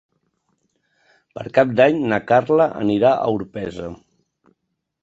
Per Cap d'Any na Carla anirà a Orpesa.